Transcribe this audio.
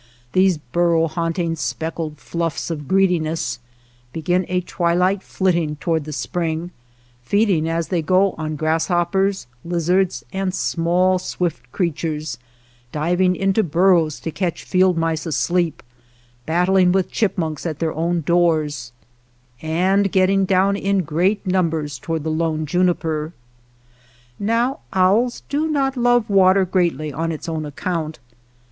Those bur row haunting, speckled fluffs of greediness begin a twilight flitting toward the spring, feeding as they go on grasshoppers, lizards, and small, swift creatures, diving into bur rows to catch field mice asleep, battling with chipmunks at their own doors, and getting down in great numbers toward the 38 WATER TRAILS OF THE CERISO lone juniper. Now owls do not love water greatly on its own account.